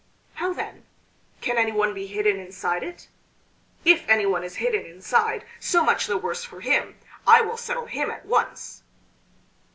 How then? Can anyone be hidden inside it? If anyone is hidden inside, so much the worse for him. I will settle him at once."